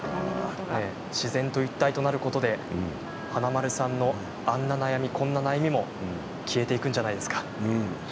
自然と一体となることで華丸さんのあんな悩み、こんな悩みも消えていくんじゃないですか？